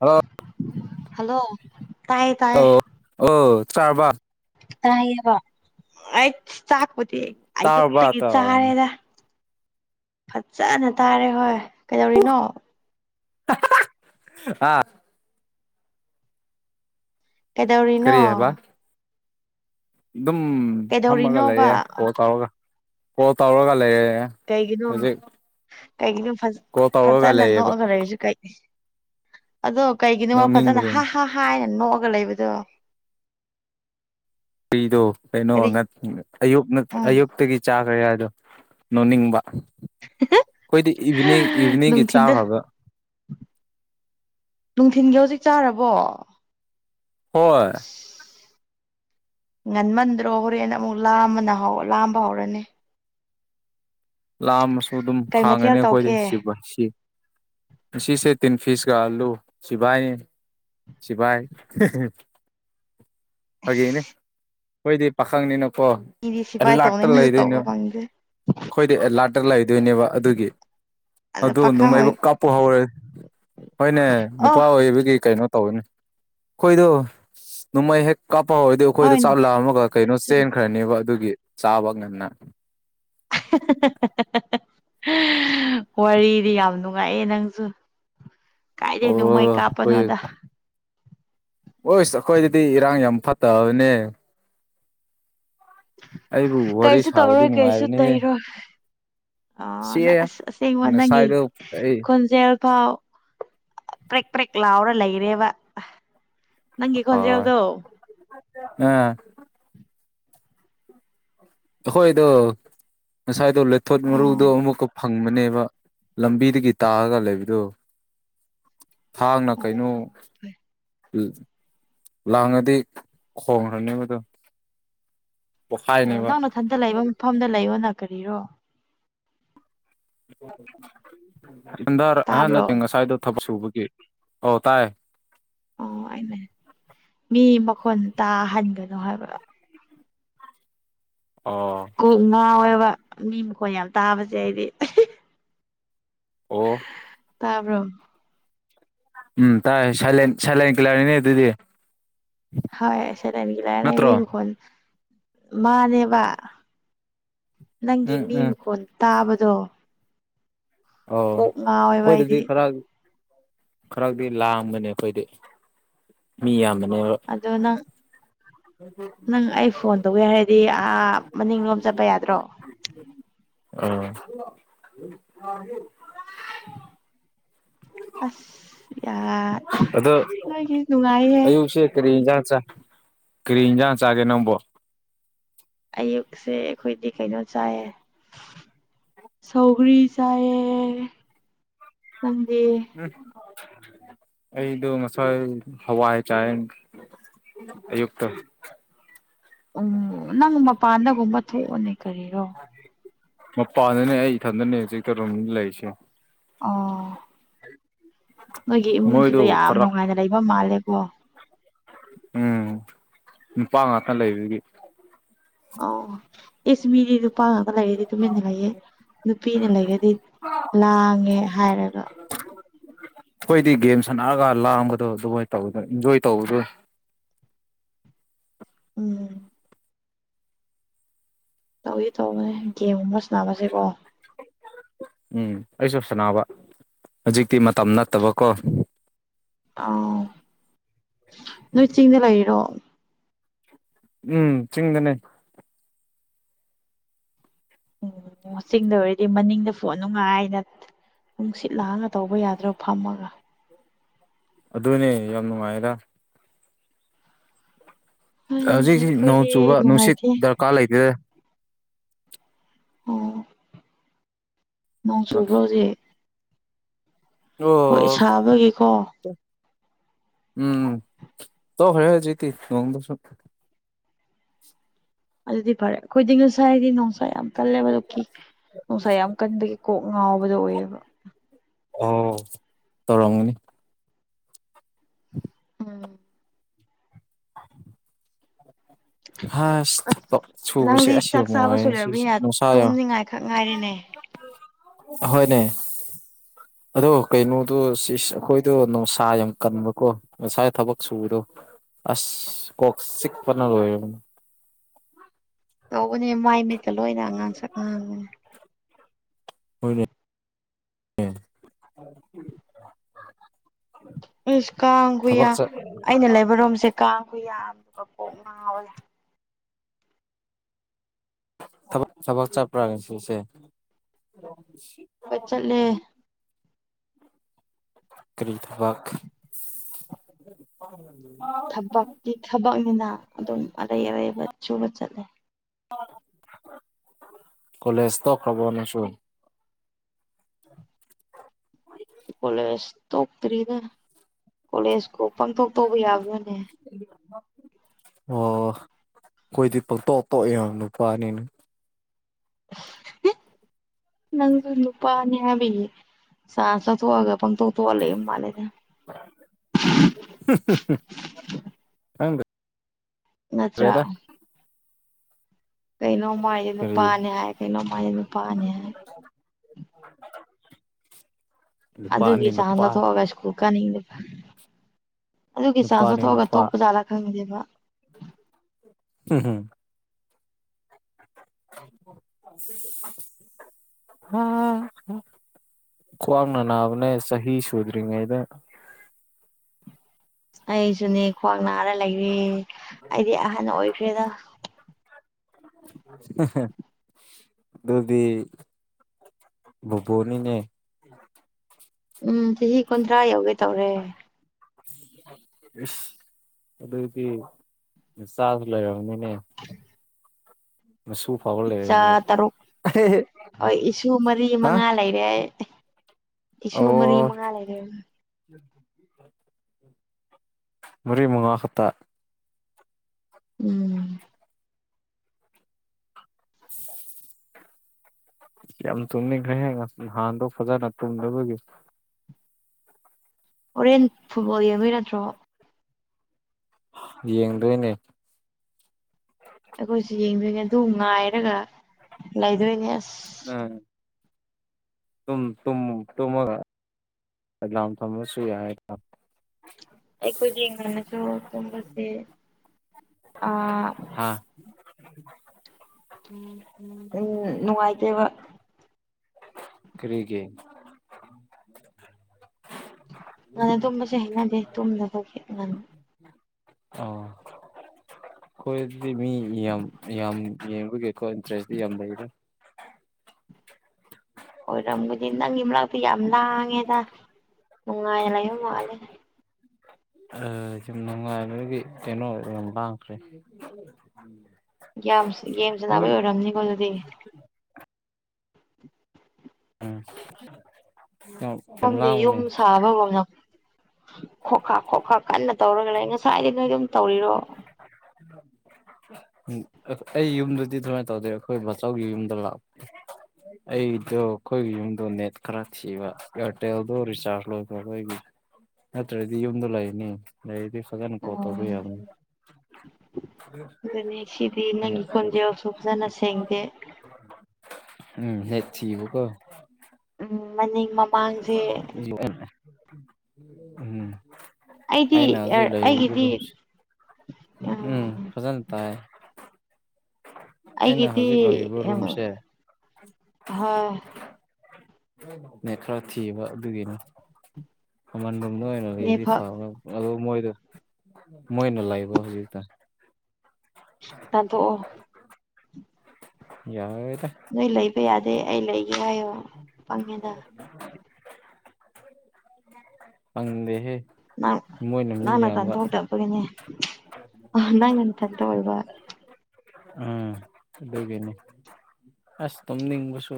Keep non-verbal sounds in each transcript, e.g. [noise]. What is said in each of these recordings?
hello hello ꯇꯥꯏꯌꯦ ꯇꯥꯏꯌꯦ ꯑꫭ ꯆꯥꯔꯕ [unintelligible] ꯆꯥꯛꯄꯨꯗꯤ ꯇꯥꯔꯕ ꯑꯌꯨꯛꯇꯒꯤ ꯇꯥ ꯆꯥꯔꯦꯗ ꯐꯖꯅ ꯇꯥꯔꯦ ꯍꯣꯏ ꯀꯩꯗꯧꯔꯤꯅꯣ [unintelligible] ꯍꯥꯥ ꯀꯩꯗꯧꯔꯤꯅꯣ ꯀꯔꯤ ꯍꯥꯏꯕ ꯑꯗꯨꯝ ꯐꯝꯃꯒ ꯀꯩꯗꯧꯔꯤꯅꯣꯕ ꯂꯩꯌꯦ ꯀꯣꯜ ꯇꯧꯔꯒ ꯀꯣꯜ ꯇꯧꯔꯒ ꯂꯩꯌꯦ ꯀꯩꯒꯤꯅꯣ ꯍꯧꯖꯤꯛ ꯀꯩꯒꯤꯅꯣ ꯀꯣꯜ ꯇꯧꯔꯒ ꯐꯖꯅ ꯂꯩꯌꯦꯕ ꯅꯣꯛꯑꯒ ꯂꯩꯔꯤꯁꯦ [unintelligible] ꯑꯗꯣ ꯀꯩꯒꯤꯅꯣꯕ ꯐꯖꯅ ꯅꯣꯛꯅꯤꯡꯕꯒꯤꯅꯤ ꯍꯥ ꯍꯥ ꯍꯥꯏꯅ ꯅꯣꯛꯑꯒ ꯂꯩꯕꯗꯣ [unintelligible] ꯀꯩꯅꯣ ꯀꯔꯤ ꯑꯌꯨꯛ ꯎꯝ ꯑꯌꯨꯛꯇꯒꯤ ꯆꯥꯒ꯭ꯔꯦ ꯍꯥꯏꯗꯣ ꯅꯣꯛꯅꯤꯡꯕ ꯈꯣꯏꯗꯤ ꯏꯚꯤꯅꯤꯡ ꯏꯚꯤꯅꯤꯡꯒꯤ ꯅꯨꯡꯊꯤꯟꯗ ꯆꯥꯈ꯭ꯔꯒ ꯅꯨꯡꯊꯤꯟꯒꯤ ꯍꯧꯖꯤꯛ ꯆꯥꯔꯕꯣ ꯍꯣꯏ ꯉꯟꯃꯟꯗ꯭ꯔꯣ ꯍꯧꯔꯦꯟ ꯑꯃꯨꯛ ꯂꯥꯝꯃꯅ ꯂꯥꯝꯕ ꯍꯧꯔꯅꯤ ꯂꯥꯝꯔꯁꯨ ꯑꯗꯨꯝ ꯀꯩ ꯃꯊꯦꯜ ꯈꯥꯡꯉꯅꯤ ꯑꯩꯈꯣꯏꯗꯤ ꯇꯧꯒꯦ ꯁꯤꯕ ꯁꯤ ꯉꯁꯤꯁꯦ ꯇꯤꯟ ꯐꯤꯁ ꯀ ꯑꯜꯂꯨ ꯁꯤꯕꯥꯏ ꯁꯤꯕꯥꯏ [unintelligible] ꯐꯥꯒꯤꯅꯤ ꯈꯣꯏꯗꯤ ꯄꯥꯈꯪꯅꯤꯅꯀꯣ ꯏꯗꯤ ꯁꯤꯐꯥꯏ ꯑꯦꯂꯥꯔꯠꯇ ꯇꯧꯅꯤꯡꯉꯁꯨ ꯂꯩꯗꯣꯏꯅꯦ ꯇꯧꯕ ꯐꯪꯗꯦ ꯑꯩꯈꯣꯏꯗꯤ ꯑꯦꯂꯥꯔꯠꯇ ꯂꯩꯗꯣꯏꯅꯦꯕ ꯑꯗꯨꯒꯤ ꯑꯗ ꯑꯗꯨ ꯄꯥꯈꯪ ꯑꯣꯏ ꯅꯣꯡꯃꯩꯕꯨ ꯀꯥꯞꯄꯨ ꯍꯧꯔꯦ ꯍꯣꯏꯅꯦ ꯅꯨꯄꯥ ꯑ ꯑꯣꯏꯕꯒꯤ ꯀꯩꯅꯣ ꯇꯧꯅꯤ ꯑꯈꯣꯏꯗꯣ ꯅꯣꯡꯃꯩ ꯍꯦꯛ ꯀꯥꯞꯄ ꯍꯧꯔꯗꯤ ꯑꯈꯣꯏꯗꯣ ꯍꯣꯏꯅꯦ ꯆꯥꯛ ꯂꯥꯝꯂꯒ ꯀꯩꯅꯣ ꯆꯨꯝ ꯆꯦꯟꯈ꯭ꯔꯅꯦꯕ ꯑꯗꯨꯒꯤ ꯆꯥꯕ ꯉꯟꯅ [unintelligible] [unintelligible] ꯋꯥꯔꯤꯗꯤ ꯌꯥꯝ ꯅꯨꯡꯉꯥꯏꯌꯦ ꯅꯪꯁꯨ ꯑꯣ ꯀꯥꯏꯗꯩꯩ ꯅꯣꯡꯃꯩ ꯑꯩꯈꯣꯏ ꯀꯥꯞꯄꯅꯣꯗ [unintelligible] ꯑꯈꯣꯏꯗꯤ ꯏꯔꯥꯡ ꯌꯥꯝ ꯐꯠꯇꯕꯅꯦ ꯑꯩꯕꯨ ꯋꯥꯔꯤ ꯀꯩꯁꯨ ꯁꯥꯕꯗꯤ ꯇꯧꯔꯣꯏ ꯀꯩꯁꯨ ꯅꯨꯡꯉꯥꯏꯕꯅꯦꯍꯦ ꯇꯩꯔꯣꯏ ꯑ ꯁꯤ ꯑꯁꯦꯡꯕ ꯅꯪꯒꯤ ꯉꯁꯥꯏꯗꯣ ꯑꯩ ꯈꯨꯟ ꯖꯦꯜ ꯐꯥꯎ ꯄ꯭ꯔꯦꯛ ꯄ꯭ꯔꯦꯛ ꯂꯥꯎꯔ ꯂꯩꯔꯦꯕ ꯅꯪꯒꯤ ꯑ ꯈꯣꯟꯖꯦꯜꯗꯣ ꯑꯥ ꯑꯈꯣꯏꯗꯣ ꯉꯁꯥꯏꯗꯣ ꯂꯩꯊꯣꯠ ꯑꯣ ꯃꯔꯨꯗꯣ ꯑꯃꯨꯛꯀ ꯐꯪꯕꯅꯦꯕ ꯂꯝꯕꯤꯗꯒꯤ ꯇꯥꯔꯒ ꯂꯩꯕꯗꯣ ꯊꯥꯡꯅ ꯑꯣ ꯀꯩꯅꯣ ꯂꯥꯡꯉꯗꯤ ꯈꯣꯡꯈ꯭ꯔꯅꯤ ꯃꯗꯣ ꯑꯣ ꯅꯪ ꯅꯊꯟꯇ ꯂꯩꯕ ꯃꯐꯝꯗ ꯂꯩꯌꯣꯅ ꯀꯔꯤꯔꯣ [unintelligible] ꯇꯥꯕ꯭ꯔꯣ ꯅꯠꯇꯦ ꯉꯁꯥꯏꯗꯣ ꯊꯕꯛ ꯁꯨꯕꯒꯤ ꯑꯣ ꯇꯥꯏ ꯑꯣ ꯑꯩꯅ ꯃꯤ ꯃꯈꯣꯟ ꯇꯥꯍꯟꯒꯅꯣ ꯍꯥꯏꯕ ꯑꯣ ꯀꯣꯛ ꯉꯥꯎꯌꯦꯕ ꯃꯤ ꯃꯈꯣꯟ ꯌꯥꯝ ꯇꯥꯕꯁꯦ ꯑꯩꯗꯤ ꯑꯣ ꯇꯥꯕ꯭ꯔꯣ ꯎꯝ ꯇꯥꯏ ꯁꯥꯏꯂꯦꯟ ꯁꯥꯏꯂꯦꯟ ꯀꯤꯂꯔꯅꯤꯅꯦ ꯑꯗꯨꯗꯤ ꯍꯣꯏ ꯁꯥꯏꯂꯦꯟ ꯀꯤꯜꯂꯔꯅꯦ ꯅꯠꯇ꯭ꯔꯣ ꯃꯤꯃꯈꯣꯟ ꯃꯥꯅꯦꯕ ꯅꯪꯒꯤ ꯎꯝ ꯃꯤ ꯎꯝ ꯃꯈꯣꯟ ꯇꯥꯕꯗꯣ ꯑꯣ ꯀꯣꯛ ꯉꯥꯎꯋꯦꯕ ꯑꯩꯈꯣꯏꯗꯗꯤ ꯑꯩꯗꯤ ꯈꯔ ꯈꯔꯗꯤ ꯂꯥꯡꯕꯅꯦ ꯑꯩꯈꯣꯏꯗꯤ ꯃꯤ ꯌꯥꯝꯕꯅꯦꯕ ꯑꯗꯣ ꯅꯪ ꯅꯪ ꯑꯩ ꯐꯣꯟ ꯇꯧꯌꯦ ꯍꯥꯏꯔꯗꯤ ꯑꯥ ꯃꯅꯤꯡꯂꯣꯝ ꯆꯠꯄ ꯌꯥꯗ꯭ꯔꯣ ꯑꯥ ꯑꯁ ꯌꯥ ꯑꯗꯣ ꯅꯣꯏꯒꯤ ꯅꯨꯡꯉꯥꯏꯌꯦ ꯑꯌꯨꯛꯁꯦ ꯀꯔꯤ ꯏꯟꯖꯥꯡ ꯆꯥ ꯀꯔꯤ ꯏꯟꯖꯥꯡ ꯆꯥꯒꯦ ꯅꯪꯕꯣ ꯑꯌꯨꯛꯁꯦ ꯑꯩꯈꯣꯏꯗꯤ ꯀꯩꯅꯣ ꯆꯥꯏꯌꯦ ꯁꯧꯒ꯭ꯔꯤ ꯆꯥꯌꯦ ꯎꯝ ꯑꯩꯗꯨ ꯉꯁꯥꯥꯏ ꯍꯋꯥꯏ ꯆꯥꯏꯌꯦ ꯑꯌꯨꯛꯇꯣ ꯎ ꯅꯪ ꯃꯄꯥꯟꯗꯒꯨꯝꯕ ꯊꯣꯛꯑꯣꯅꯦ ꯀꯔꯤꯔꯣ ꯃꯄꯥꯟꯗꯅꯦ ꯑꯩ ꯏꯊꯟꯗꯅꯦ ꯍꯧꯖꯤꯛ ꯇꯔꯣꯝ ꯂꯩꯔꯤꯁꯦ ꯑꯣ ꯅꯣꯏꯒꯤ ꯃꯣꯏꯗꯣ ꯏꯃꯨꯡꯗꯨꯗ ꯌꯥꯝ ꯈꯔ ꯅꯨꯡꯉꯥꯏꯅ ꯂꯩꯕ ꯃꯥꯜꯂꯦꯀꯣ ꯎꯝ ꯅꯨꯄꯥ ꯉꯥꯛꯇ ꯂꯩꯕꯒꯤ ꯑ ꯏꯁ ꯃꯤꯗꯤ ꯅꯨꯄꯥ ꯉꯥꯛꯇ ꯂꯩꯔꯗꯤ ꯇꯨꯃꯤꯟꯅ ꯂꯩꯌꯦ ꯅꯨꯄꯤꯅ ꯂꯩꯔꯗꯤ ꯂꯥꯡꯉꯦ ꯍꯥꯏꯔꯒ ꯈꯣꯏꯗꯤ ꯒꯦꯝ ꯁꯥꯟꯅꯔꯒ ꯂꯥꯡꯕꯗꯣ ꯑꯗꯨꯃꯥꯏꯅ ꯇꯧꯕꯗꯣ ꯏꯟꯖꯣꯏ ꯇꯧꯕꯗꯣ ꯎꯝ ꯇꯧꯋꯤ ꯇꯧꯕꯅꯦ ꯒꯦꯝꯒꯨꯝꯕ ꯁꯥꯟꯅꯕꯁꯦꯀꯣ ꯎꯝ ꯑꯩꯁꯨ ꯁꯅꯕ ꯍꯧꯖꯤꯛꯇꯤ ꯃꯇꯝ ꯅꯠꯇꯕꯀꯣ ꯑꯧ ꯅꯣꯏ ꯆꯤꯡꯗ ꯂꯩꯔꯤꯔꯣ ꯎꯝ ꯆꯤꯡꯗꯅꯦ ꯎꯝ ꯆꯤꯡꯗ ꯑꯣꯏꯔꯗꯤ ꯃꯅꯤꯡꯗ ꯐꯣꯟ ꯅꯨꯡꯉꯥꯏꯅ ꯅꯨꯡꯁꯤꯠ ꯂꯥꯡꯉꯒ ꯇꯧꯕ ꯌꯥꯗ꯭ꯔꯣ ꯐꯝꯃꯒ ꯑꯗꯨꯅꯦ ꯌꯥꯝ ꯅꯨꯡꯉꯥꯏꯔ ꯍꯩ ꯍꯧꯖꯤꯛꯖꯤꯛ ꯅꯣꯡ ꯑꯩꯈꯣꯏꯗꯤ ꯆꯨꯕ ꯅꯨꯡꯁꯤꯠ ꯅꯨꯡꯉꯥꯏꯇꯦ ꯗꯔꯀꯥꯔ ꯂꯩꯇꯦ ꯑꯣ ꯅꯣꯡ ꯆꯨꯕ꯭ꯔꯣ ꯍꯧꯖꯤꯛ ꯍꯣꯏ ꯑꯣ ꯁꯥꯕꯒꯤꯀꯣ ꯎꯝ ꯇꯣꯛꯈ꯭ꯔꯦ ꯍꯧꯖꯤꯛꯇꯤ ꯅꯣꯡꯗꯨꯁꯨ ꯑꯗꯨꯗꯤ ꯐꯔꯦ ꯑꯩꯈꯣꯏꯗꯤ ꯉꯁꯥꯏꯗꯤ ꯅꯨꯡꯁꯥ ꯌꯥꯝ ꯀꯜꯂꯦꯕꯗꯨ ꯀꯤ ꯅꯨꯡꯁꯥ ꯌꯥꯝ ꯀꯟꯕꯒꯤ ꯀꯣꯛ ꯉꯥꯎꯕꯗꯣ ꯑꯣꯏꯌꯦꯕ ꯑꯣ ꯇꯧꯔꯝꯒꯅꯤ [inaudible] ꯎꯝ ꯍꯥꯁ ꯊꯄꯛ ꯁꯨꯕꯁꯦ ꯅꯪꯗꯤ ꯑꯁ ꯆꯥꯛ ꯌꯥꯝ ꯆꯥꯕ ꯋꯥꯌꯦ ꯉꯁꯤꯁꯦ ꯁꯣꯏꯂꯔꯕꯅꯤꯅ ꯅꯨꯡꯁꯥ ꯌꯥꯝ ꯇꯨꯝꯅꯤꯡꯉꯥꯏ ꯈꯛ ꯉꯥꯏꯔꯦꯅꯦ ꯍꯣꯏꯅꯦ ꯑꯗꯣ ꯀꯩꯅꯣꯗꯣ ꯁꯤꯁ ꯑꯩꯈꯣꯏꯗꯣ ꯅꯨꯡꯁꯥ ꯌꯥꯝ ꯀꯟꯕꯀꯣ ꯉꯁꯥꯏ ꯊꯕꯛ ꯁꯨꯗꯣ ꯑꯁ ꯀꯣꯛ ꯆꯤꯛꯄꯅ ꯂꯣꯏꯔꯦ ꯇꯧꯕꯅꯦ ꯃꯥꯏ ꯃꯤꯠꯀ ꯂꯣꯏꯅ ꯉꯥꯡꯁꯛ ꯉꯥꯡꯕꯅꯦ ꯑꯗꯨꯗꯤ ꯏꯁ ꯀꯥꯡ ꯈꯨꯌꯥꯝ ꯑꯩꯅ ꯂꯩꯕꯔꯣꯝꯁꯦ ꯀꯥꯡ ꯈꯨꯌꯥꯝꯃ ꯀꯣꯛ ꯉꯥꯎꯕꯅꯦ ꯊꯕꯛ ꯊꯕꯛ ꯆꯠꯄ꯭ꯔꯥ ꯉꯁꯤꯁꯦ ꯍꯣꯏ ꯆꯠꯂꯦ ꯀꯔꯤ ꯊꯕꯛ [unintelligible] ꯊꯕꯛꯇꯤ ꯊꯕꯛꯅꯤꯅ ꯑꯗꯨꯝ ꯑꯔꯩ ꯑꯔꯩꯕ ꯁꯨꯕ ꯆꯠꯂꯦ ꯀꯂꯦꯖ ꯇꯣꯛꯈ꯭ꯔꯕꯣ ꯅꯪꯁꯨ ꯀꯣꯂꯦꯖ ꯇꯣꯛꯇ꯭ꯔꯤꯗ ꯀꯣꯂꯦꯖꯕꯨ ꯄꯥꯡꯇꯣꯛ ꯇꯣꯛꯕ ꯌꯥꯕ꯭ꯔꯅꯦ ꯑꯣ ꯑꯈꯣꯏꯗꯤ ꯄꯡꯇꯣꯛ ꯇꯣꯛꯑ ꯅꯨꯄꯥꯅꯤꯅ ꯍꯦ ꯅꯪꯁꯨ ꯅꯨꯄꯥꯅꯤ ꯍꯥꯏꯕꯒꯤ ꯆꯥꯟꯁ ꯂꯧꯊꯣꯑꯒ ꯄꯪꯇꯣꯛ ꯇꯣꯛꯑ ꯂꯩꯕ ꯃꯥꯜꯂꯦꯗ [inaudible] ꯅꯠꯇ꯭ꯔꯥ ꯈꯪꯗ꯭ꯔꯦꯗ ꯀꯩꯅꯣꯝ ꯍꯥꯏꯔꯁꯨ ꯀꯔꯤ ꯅꯨꯄꯥꯅꯦ ꯍꯥꯏ ꯀꯩꯅꯣꯝ ꯍꯥꯔꯏꯁꯨ ꯅꯨꯄꯥꯅꯦ ꯍꯥꯏ ꯅꯨꯄꯥꯅꯤ ꯑꯗꯨꯒꯤ ꯆꯥꯟꯁ ꯅꯨꯄꯥ ꯂꯧꯊꯣꯛꯑꯒ ꯁ꯭ꯀꯨꯜ ꯀꯥꯅꯤꯡꯗꯕ ꯑꯗꯨꯒꯤ ꯆꯥꯟꯁ ꯅꯨꯄꯥꯅꯤ ꯂꯧꯊꯣꯛꯑꯒ ꯅꯨꯄꯥ ꯇꯣꯛꯄ ꯖꯥꯠꯂꯥ ꯈꯪꯉꯗꯦꯕ ꯍꯤꯝ ꯍꯨꯝ [inaudible] ꯀ꯭ꯋꯥꯡꯅ ꯅꯥꯕꯅꯦ ꯆꯍꯤ ꯁꯨꯗ꯭ꯔꯤꯉꯩꯗ ꯑꯩꯁꯨꯅꯦ ꯈ꯭ꯋꯥꯡ ꯅꯥꯔ ꯂꯩꯔꯦ ꯑꯩꯗꯤ ꯑꯍꯟ ꯑꯣꯏꯈ꯭ꯔꯦꯗ ꯑꯗꯨꯗꯤ ꯕꯨꯕꯨꯅꯤꯅꯦ ꯎꯝ ꯆꯍꯤ ꯀꯨꯟꯊ꯭ꯔꯥ ꯌꯧꯒꯦ ꯇꯧꯔꯦ [unintelligible] ꯏꯁ ꯑꯗꯣꯏꯗꯤ ꯅꯆꯥꯁꯨ ꯂꯩꯔꯝꯃꯅꯤꯅꯦ ꯃꯁꯨ ꯏꯆꯥ ꯂꯩꯔꯕꯅꯦ ꯇꯔꯨꯛ ꯍꯣꯏ ꯏꯁꯨ ꯃꯔꯤ ꯍꯥ ꯃꯉꯥ ꯂꯩꯔꯦ ꯑꯩ ꯏꯁꯨ ꯑꯣ ꯃꯔꯤ ꯃꯉꯥ ꯂꯩꯔꯦ ꯍꯥꯏꯕ [unintelligible] ꯃꯔꯤ ꯃꯉꯥ ꯈꯛꯇ ꯎꯝ [inaudible] ꯌꯥꯝ ꯇꯨꯝꯅꯤꯈ꯭ꯔꯦꯍꯦ ꯅꯍꯥꯟꯗꯣ ꯐꯖꯅ ꯇꯨꯝꯗꯕꯒꯤ ꯍꯣꯔꯦꯟ ꯐꯨꯠꯕꯣꯜ ꯌꯦꯡꯗꯣꯏ ꯅꯠꯇ꯭ꯔꯣ ꯌꯦꯡꯗꯣꯏꯅꯦ ꯑꯩꯈꯣꯏꯁꯨ ꯌꯦꯡꯗꯣꯏꯅꯦ ꯑꯗꯨ ꯉꯥꯏꯔꯒ ꯂꯩꯗꯣꯏꯅꯦ ꯑꯁ ꯑꯗꯨꯝ ꯇꯨꯝ ꯇꯨꯝꯃꯒ ꯑꯦꯂꯥꯝ ꯊꯝꯃꯁꯨ ꯌꯥꯏ ꯑꯩꯈꯣꯏꯗꯤ ꯉꯟꯂꯁꯨ ꯇꯨꯝꯕꯁꯦ ꯑꯥ [inaudible] ꯎꯝ ꯎꯝ ꯎꯝ ꯅꯨꯡꯉꯥꯏꯇꯦꯕ ꯀ꯭ꯔꯤꯒꯤ ꯉꯟꯅ ꯇꯨꯝꯕꯁꯦ ꯅꯪꯗꯤ ꯇꯨꯝꯗꯕꯒꯤ ꯉꯟ ꯑ ꯈꯣꯏꯗꯨꯗꯤ ꯃꯤ ꯌꯥꯝ ꯌꯥꯝ ꯌꯦꯡꯕꯒꯤꯀꯣ ꯏꯟꯇ꯭ꯔꯦꯁꯇꯤ ꯌꯥꯝ ꯂꯩꯌꯦꯕ ꯑꯣꯏꯔꯝꯒꯗꯤ ꯅꯪꯒꯤ ꯃꯅꯥꯛꯇ ꯌꯥꯝ ꯂꯥꯡꯉꯦꯗ ꯅꯨꯡꯉꯥꯏꯅ ꯂꯩꯕ ꯃꯥꯜꯂꯦ ꯑ ꯁꯨꯝ ꯅꯨꯡꯉꯥꯏꯕꯒꯤ ꯀꯩꯅꯣ ꯃꯥꯡꯈ꯭ꯔꯦ ꯌꯥꯝꯁ ꯒꯦꯝ ꯁꯟꯅꯕꯩ ꯑꯣꯏꯔꯝꯅꯤꯀꯣ ꯑꯗꯨꯗꯤ ꯎꯝ ꯏꯇꯥꯎ ꯈꯪꯗꯦ ꯌꯨꯝ ꯁꯥꯕꯕꯨ ꯉꯝ ꯈꯣꯈꯥ ꯈꯣꯈꯥ ꯀꯟꯅ ꯇꯧꯔꯒ ꯂꯩ ꯉꯁꯥꯏꯗꯩ ꯅꯣꯏ ꯌꯨꯝ ꯇꯧꯔꯤꯔꯣ [inaudible] ꯎꯝ ꯑꯩ ꯌꯨꯝꯗꯗꯤ ꯑꯗꯨꯃꯥꯏ ꯇꯧꯗꯦ ꯑꯩꯈꯣꯏ ꯕꯥꯆꯧꯒꯤ ꯌꯨꯝꯗ ꯂꯥꯛꯄ ꯑꯩꯗꯣ ꯑꯩꯈꯣꯏꯒꯤ ꯌꯨꯝꯗꯣ ꯅꯦꯠ ꯈꯔ ꯊꯤꯕ ꯏꯌꯥꯔꯇꯦꯜꯗꯣ ꯔꯤꯆꯥꯔꯖ ꯂꯣꯏꯈ꯭ꯔꯕ ꯑꯩꯒꯤ ꯅꯠꯇ꯭ꯔꯗꯤ ꯌꯨꯝꯗ ꯂꯩꯔꯅꯤ ꯂꯩꯔꯗꯤ ꯐꯖꯅ ꯀꯣꯜ ꯇꯧꯕ ꯎꯝ ꯌꯥꯔꯥꯅꯤ ꯑꯗꯨꯅꯦ ꯁꯤꯗꯤ ꯅꯪꯒꯤ ꯈꯣꯟꯖꯦꯜꯁꯨ ꯐꯖꯅ ꯁꯦꯡꯗꯦ ꯎꯝ ꯍꯦꯛ ꯊꯤꯕꯥ ꯀꯣ ꯎꯝ ꯃꯅꯤꯡ ꯃ ꯎꯝ ꯑꯩꯗꯤ ꯑꯩꯅ ꯍꯧꯖꯤꯛ ꯂꯩꯔꯤꯕ ꯑꯩꯒꯤꯗꯤ ꯔꯣꯝꯁꯦ ꯎꯝ ꯐꯖꯅ ꯇꯏꯌꯦ ꯑꯩꯅ ꯑꯩꯒꯤꯗꯤ ꯍꯧꯖꯤꯛ ꯂꯧꯔꯤꯕ ꯎꯝ ꯔꯨꯝꯁꯦ ꯍꯣꯏ ꯅꯦꯠ ꯈꯔ ꯊꯤꯕ ꯑꯗꯨꯒꯤꯅꯤ ꯀꯥꯃꯜꯔꯨꯝꯗ ꯑꯣꯏꯅ ꯂꯩꯔꯗꯤ ꯅꯦꯠꯐꯛ ꯐꯕ ꯑꯃꯨꯛ ꯑꯗꯨ ꯃꯣꯏꯗꯣ ꯃꯣꯏꯅ ꯂꯩꯕ ꯍꯧꯖꯤꯛꯇꯣ ꯇꯟꯊꯣꯛ ꯑꯣ ꯌꯥꯔꯦꯗ ꯅꯣꯏ ꯂꯩꯕ ꯌꯥꯗꯦ ꯑꯩ ꯂꯩꯒꯦ ꯍꯥꯏꯌꯣ ꯄꯪꯉꯦꯗ [inaudible] ꯐꯪꯗꯦꯍꯦ ꯃꯣꯏꯅ ꯃꯤ ꯌꯥꯝꯕ ꯒꯤꯅꯦ ꯑꯣ ꯅꯪꯅ ꯅꯊꯟꯇ ꯑꯣꯏꯕ ꯎꯝ ꯑꯗꯨꯒꯤꯅꯦ ꯑꯁ ꯇꯨꯝꯅꯤꯡꯕꯁꯨ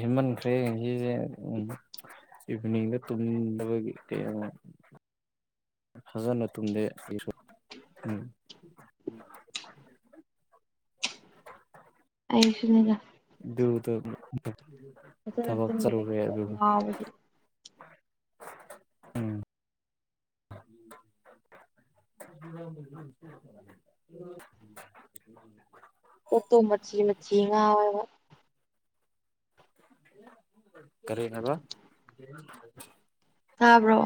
ꯍꯦꯟꯃꯟꯈ꯭ꯔꯦ ꯉꯁꯤꯖꯦ ꯎꯝ ꯏꯚꯤꯅꯤꯡꯗ ꯇꯨꯝꯗꯕꯒꯤ ꯀꯌꯥꯝꯋꯥꯏ ꯐꯖꯅ ꯇꯨꯝꯗꯦ [unintelligible] ꯎꯝ [inaudible] ꯑꯩꯁꯨꯅꯤꯗ ꯑꯗꯨꯗꯣ ꯐꯖꯅ ꯇꯨꯝꯗꯕꯒꯤ ꯀꯣꯛ ꯉꯥꯎꯕꯁꯤ ꯎꯝ [inaudible] [inaudible] [inaudible] ꯀꯣꯛꯇꯣ ꯃꯆꯤ ꯃꯆꯤ ꯉꯥꯎꯋꯦꯕ ꯀꯔꯤ ꯍꯥꯏꯕ ꯇꯥꯕ꯭ꯔꯣ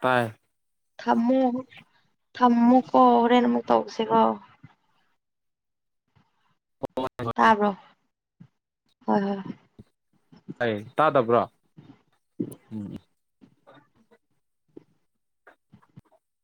ꯇꯥꯏ ꯊꯝꯃꯣ ꯊꯝꯃꯣꯀꯣ ꯍꯣꯔꯦꯟ ꯑꯃꯨꯛ ꯇꯧꯁꯦꯀꯣ ꯇꯥꯕ꯭ꯔꯣ ꯍꯣꯏ ꯍꯣꯏ ꯑꯩ ꯇꯥꯗꯕ꯭ꯔꯣ ꯎꯝ